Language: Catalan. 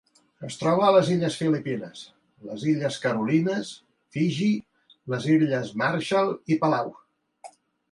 Es troba a les Illes Filipines, les Illes Carolines, Fiji, les Illes Marshall i Palau.